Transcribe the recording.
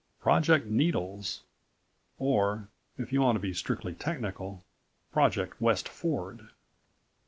Project Needles, or, if you want to be strictly technical, Project West Ford.